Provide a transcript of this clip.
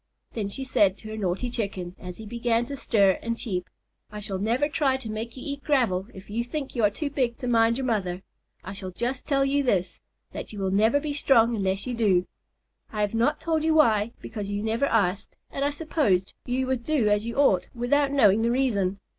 Then she said to her naughty Chicken, as he began to stir and cheep, "I shall never try to make you eat gravel if you think you are too big to mind your mother. I shall just tell you this, that you will never be strong unless you do. I have not told you why, because you never asked, and I supposed you would do as you ought without knowing the reason.